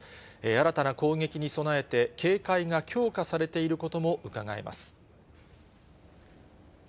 新たな攻撃に備えて、警戒が強化されていることもうかがえます。